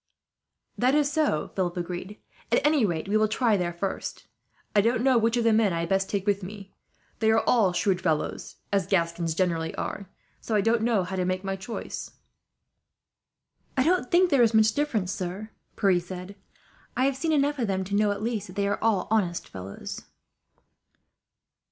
"That is so," Philip agreed. "At any rate, we will try there first. "I don't know which of the men I had best take with me. They are all shrewd fellows, as Gascons generally are, so I don't know how to make my choice." "I don't think there is much difference, sir," Pierre said. "I have seen enough of them to know, at least, that they are all honest fellows."